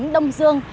chính đông dương